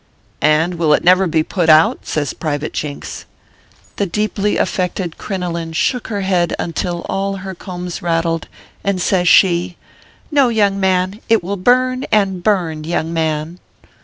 " And will it never be put out ?" says Private Jinks. The deeply affected crinoline shook her head until all her combs rattled, and says she :" No, young man ; it will burn, and burn, young man."